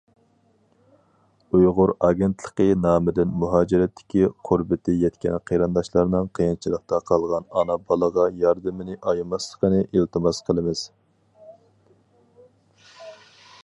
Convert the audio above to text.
«ئۇيغۇر ئاگېنتلىقى» نامىدىن مۇھاجىرەتتىكى قۇربىتى يەتكەن قېرىنداشلارنىڭ قىيىنچىلىقتا قالغان ئانا بالىغا ياردىمىنى ئايىماسلىقىنى ئىلتىماس قىلىمىز.